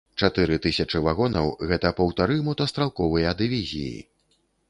Чатыры тысячы вагонаў гэта паўтары мотастралковыя дывізіі.